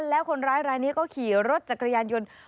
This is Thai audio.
แล้วคนร้ายรายนี้ก็ขี่รถจักรยานยนต์